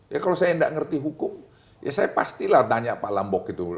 ya kalau saya nggak ngerti hukum ya saya pastilah tanya pak lambok itu